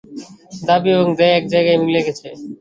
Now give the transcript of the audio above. দাবি এবং দেয় এক জায়গায় মিলে গেছে।